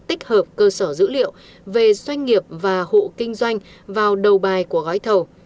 tích hợp cơ sở dữ liệu về doanh nghiệp và hộ kinh doanh vào đầu bài của gói thầu